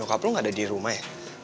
dokter ada di rumah